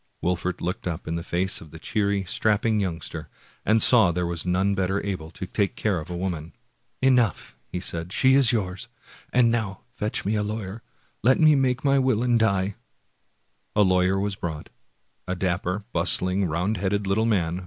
" Wolfert looked up in the face of the cheery, strapping youngster, and saw there was none better able to take care of a woman. Exhausted. 2l8 Washington Irving " Enough," said he, " she is yours ! And now fetch me a lawyer — let me make my will and die." The lawyer was brought, — a dapper, bustling, round headed little man.